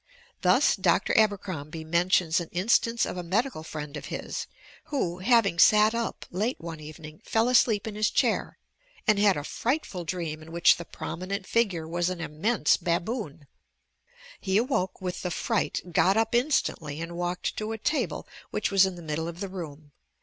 Thus, Dr. Aber crombie mentions an instance of a medical friend of his, who, having sat up late one evening, fell asleep in his DREAMS 137 chair and had a frightful dream in which the prominent fi^re was an Immense baboon. He awoke with the fright, got up instantly and wallted to a table which was in the middle of the room.